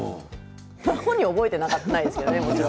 本人は覚えていないですけどね、もちろん。